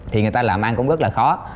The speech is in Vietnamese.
thì người ta làm ăn cũng rất là khó